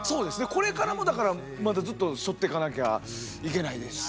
これからもだからまだずっと背負っていかなきゃいけないですし。